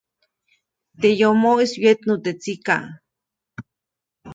Teʼ yomoʼis wyetnu teʼ tsikaʼ.